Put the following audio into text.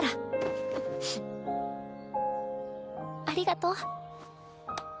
ありがとう。